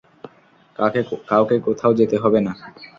কাউকে কোথাও যেতে হবে না।